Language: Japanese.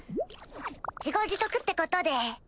自業自得ってことで。